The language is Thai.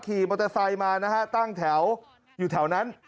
ขี่มอเตอร์ไซค์มานะฮะตั้งแถวอยู่แถวนั้น